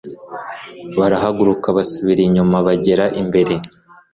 barahahaguruka basubira inyuma bagera imbere